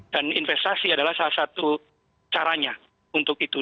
dan investasi adalah salah satu caranya untuk itu